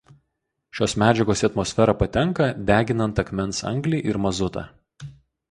Šios medžiagos į atmosferą patenka deginant akmens anglį ir mazutą.